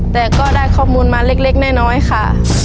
แต่ก็ได้ข้อมูลมาเล็กน้อยค่ะ